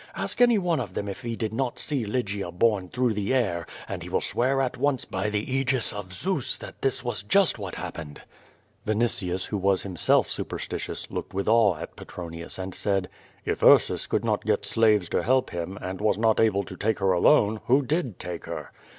Ask any one of them if he did not see Lygia borne through the air, and he will swear at once by the Aegis of Zeus that this was just what happened.'* Vinitius, who was himself superstitious, looked with awe at Petronius, and said: "If Ursus could not get slaves to help him, and was not able to take her alone, who did take her?"